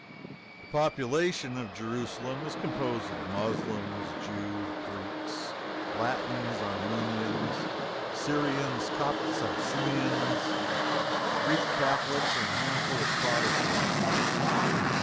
The population of Jerusalem is composed of Moslems, Jews, Greeks, Latins, Armenians, Syrians, Copts, Abyssinians, Greek Catholics, and a handful of Protestants.